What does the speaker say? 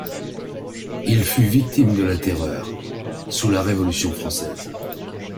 Il fut victime de la Terreur sous la Révolution française.